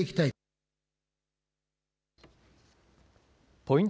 ポイント